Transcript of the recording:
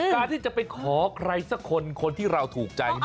การที่จะไปขอใครสักคนคนที่เราถูกใจ